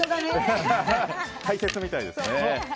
解説みたいですね。